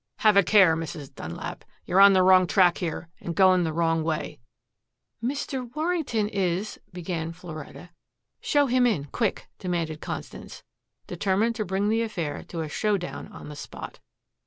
Have a care, Mrs. Dunlap you're on the wrong track here, and going the wrong way." "Mr. Warrington is " began Floretta. "Show him in quick," demanded Constance, determined to bring the affair to a show down on the spot.